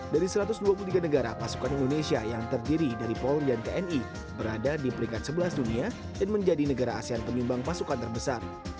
dari satu ratus dua puluh tiga negara pasukan indonesia yang terdiri dari polri dan tni berada di peringkat sebelas dunia dan menjadi negara asean penyumbang pasukan terbesar